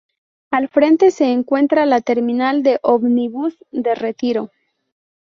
Al frente se encuentra la Terminal de Ómnibus de Retiro.